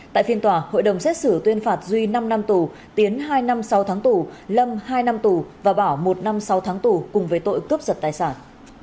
tại phiên tòa hội đồng xét xử tuyên phạt duy năm năm tù tiến hai năm sáu tháng tù lâm hai năm tù và bảo một năm sáu tháng tù cùng với tội cướp giật tài sản